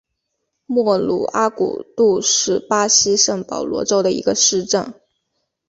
莫鲁阿古杜是巴西圣保罗州的一个市镇。